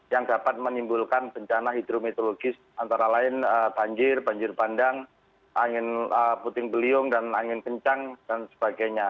yang dapat menimbulkan bencana hidrometeorologis antara lain banjir banjir bandang angin puting beliung dan angin kencang dan sebagainya